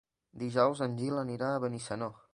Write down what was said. Dijous en Gil irà a Benissanó.